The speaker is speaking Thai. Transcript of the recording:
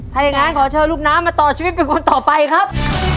น้องเน็ตจะเลือกให้ใครขึ้นมาต่อชีวิตเป็นคนต่อไปครับ